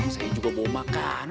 saya juga mau makan